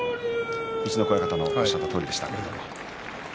陸奥親方のおっしゃったとおりでした。